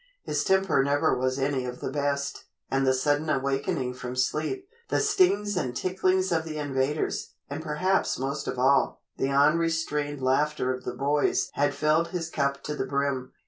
His temper never was any of the best, and the sudden awakening from sleep, the stings and ticklings of the invaders, and perhaps most of all, the unrestrained laughter of the boys had filled his cup to the brim.